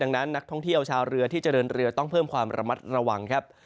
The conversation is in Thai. ดังนั้นนักท่องเที่ยวชาวเรือที่จะเดินเรือต้องเพิ่มความระมัดระวังครับ